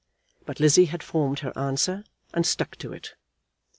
But Lizzie had formed her answer and stuck to it.